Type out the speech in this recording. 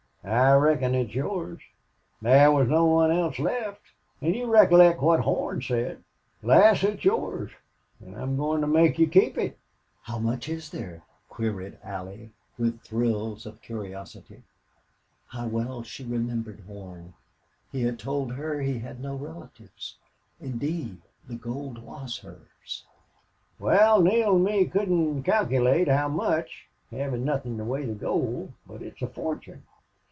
"I reckon it's yours. Thar was no one else left an' you recollect what Horn said. Lass, it's yours an' I'm goin' to make you keep it." "How much is there?" queried Allie, with thrills of curiosity. How well she remembered Horn! He had told her he had no relatives. Indeed, the gold was hers. "Wal, Neale an' me couldn't calkilate how much, hevin' nothin' to weigh the gold. But it's a fortune."